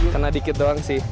kena dikit doang sih